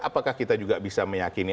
apakah kita juga bisa meyakini